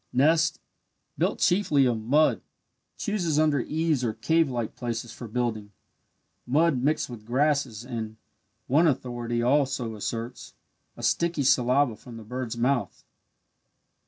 Nest built chiefly of mud chooses under eaves or cavelike places for building mud mixed with grasses and (one authority also asserts) a sticky saliva from the bird's mouth.